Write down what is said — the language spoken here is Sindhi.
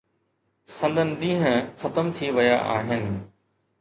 سندن ڏينهن ختم ٿي ويا آهن.